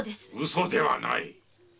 嘘ではない。